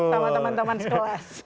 sama teman teman sekolah